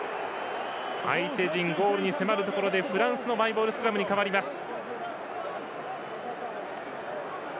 相手陣、ゴールに迫るところでフランスのマイボールスクラムに変わります。